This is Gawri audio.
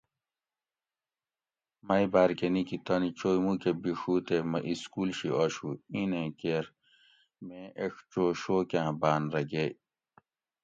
مئ باۤر کہۤ نِکی تانی چوئ مُوکہ بِڛُو تے مہ اِسکول شی آشو اِیں نیں کیر میں ایڄ چو شوکاۤں باۤن رہ گیئ